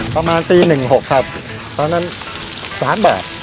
ประมาณตีหนึ่งหกครับเพราะฉะนั้นสามแบบ